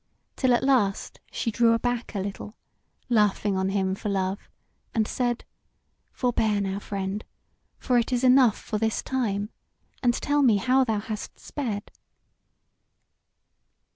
Till at last she drew aback a little, laughing on him for love, and said: "Forbear now, friend, for it is enough for this time, and tell me how thou hast sped."